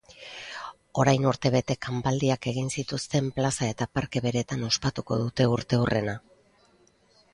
Orain urtebete kanpaldiak egin zituzten plaza eta parke beretan ospatuko dute urteurrena.